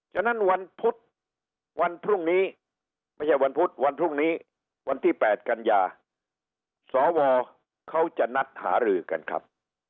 ฉะนั้นวันพุธวันพรุ่งนี้ไม่ใช่วันพุธวันพรุ่งนี้วันที่๘กันยาสวเขาจะนัดหารือกันครับ